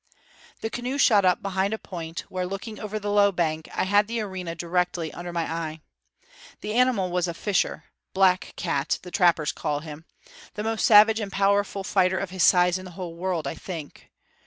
The canoe shot up behind a point where, looking over the low bank, I had the arena directly under my eye. The animal was a fisher black cat the trappers call him the most savage and powerful fighter of his size in the whole world, I think.